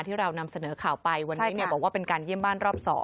ที่เรานำเสนอข่าวไปวันแรกบอกว่าเป็นการเยี่ยมบ้านรอบ๒